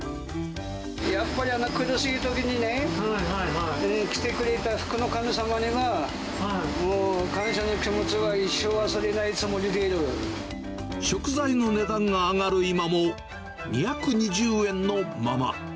やっぱりあの苦しいときにね、来てくれた福の神様には、もう感謝の気持ちは一生忘れないつもり食材の値段が上がる今も、２２０円のまま。